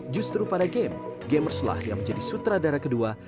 justru pada game gamers lah yang menjadi sutradara kedua